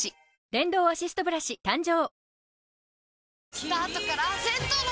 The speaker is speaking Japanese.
電動アシストブラシ誕生